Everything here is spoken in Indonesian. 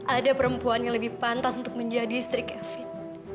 ada perempuan yang lebih pantas untuk menjadi istri kevin